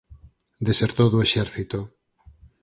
Desertou do exército.